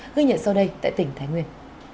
ghi nhận sau đây tại tỉnh thái nguyên